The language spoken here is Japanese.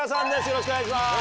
よろしくお願いします